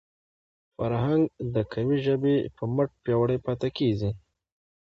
فرهنګ د قوي ژبي په مټ پیاوړی پاتې کېږي.